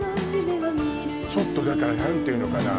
ちょっとだから何ていうのかな